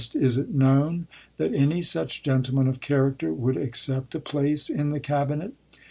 Is it known that any such gentleman of char acter would accept a place in the Cabinet